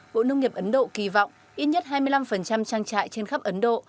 bộ nông nghiệp ấn độ kỳ vọng ít nhất hai mươi năm trang trại trên khắp ấn độ